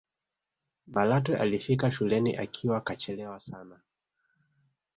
malatwe alifika shuleni akiwa kachelewa sana